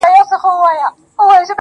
کلي ورو ورو بدلېږي ډېر,